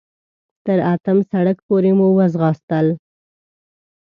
تر اتم سړک پورې مو وځغاستل.